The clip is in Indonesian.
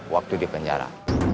waktu di penjara